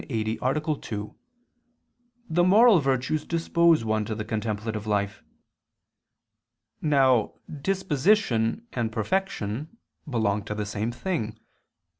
2), the moral virtues dispose one to the contemplative life. Now disposition and perfection belong to the same thing.